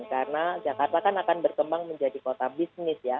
karena jakarta kan akan berkembang menjadi kota bisnis ya